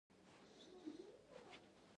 قدرت تل په خوځښت کې وي.